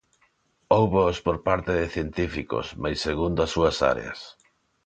"Hóuboos por parte de científicos, mais segundo as súas áreas".